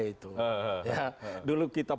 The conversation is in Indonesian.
itu dulu kita